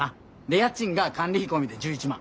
で家賃が管理費込みで１１万。